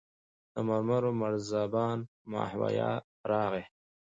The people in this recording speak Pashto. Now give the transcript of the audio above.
د مرو مرزبان ماهویه راغی.